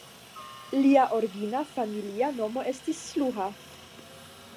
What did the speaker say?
Lia origina familia nomo estis "Szluha".